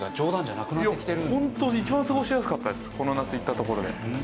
ホントに一番過ごしやすかったですこの夏行った所で。